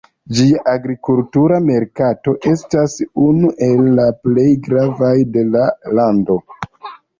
Ĝia agrikultura merkato estas unu el la plej gravaj de la lando.